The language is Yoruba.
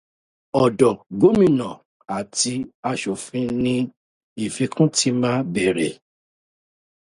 Ọ̀dọ̀ gómìnà àti aṣòfin ní ìfikún ti ma bẹ̀rẹ̀.